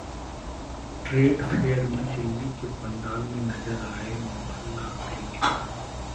trade fair में दिल्ली के पंडाल में नजर आए मोहल्ला क्लिनिक